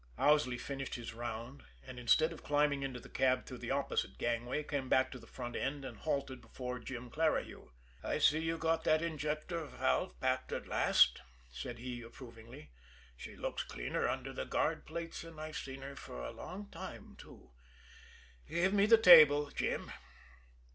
Owsley finished his round, and, instead of climbing into the cab through the opposite gangway, came back to the front end and halted before Jim Clarihue. "I see you got that injector valve packed at last," said he approvingly. "She looks cleaner under the guard plates than I've seen her for a long time, too. Give me the 'table, Jim."